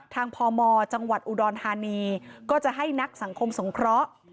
พมจังหวัดอุดรธานีก็จะให้นักสังคมสงเคราะห์